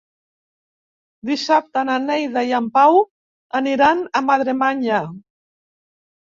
Dissabte na Neida i en Pau aniran a Madremanya.